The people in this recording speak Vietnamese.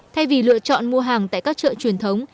thay vì lựa chọn mua hàng tại các chợ truyền thống